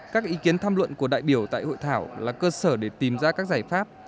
các ý kiến tham luận của đại biểu tại hội thảo là cơ sở để tìm ra các giải pháp